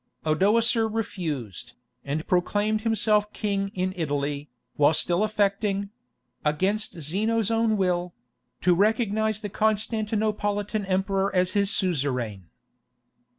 Odoacer refused, and proclaimed himself king in Italy, while still affecting—against Zeno's own will—to recognize the Constantinopolitan emperor as his suzerain.